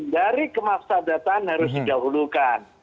dari kemaslahatan harus didahulukan